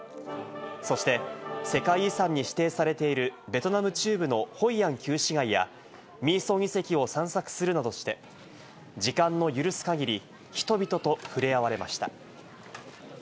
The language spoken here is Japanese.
そして、世界遺産に指定されているベトナム中部のホイアン旧市街やミーソン遺跡を散策するなどして、時間の許す限り、人々と触れ合われました。